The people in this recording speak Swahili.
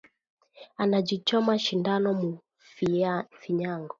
Ana ji choma shindano mu finyango